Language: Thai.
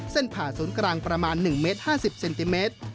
ผ่าศูนย์กลางประมาณ๑เมตร๕๐เซนติเมตร